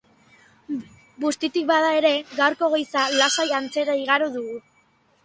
Bustitik bada ere, gaurko goiza lasai antzera igaro dugu.